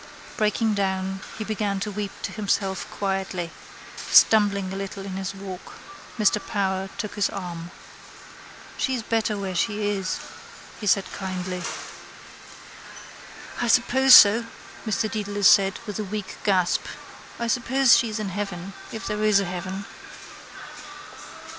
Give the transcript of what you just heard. Breaking down, he began to weep to himself quietly, stumbling a little in his walk. Mr Power took his arm. —She's better where she is, he said kindly. —I suppose so, Mr Dedalus said with a weak gasp. I suppose she is in heaven if there is a heaven.